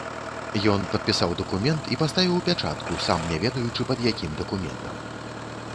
Ён падпісаў дакумент і паставіў пячатку, сам не ведаючы пад якім дакументам.